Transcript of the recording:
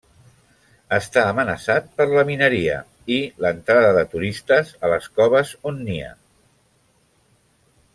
Està amenaçat per la mineria i l'entrada de turistes a les coves on nia.